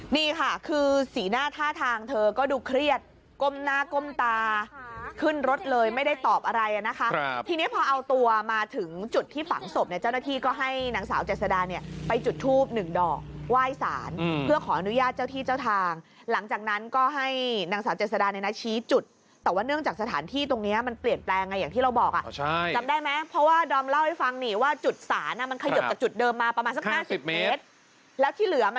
แล้วตอนที่คุมตัวออกมาคือทุกครั้งแหละ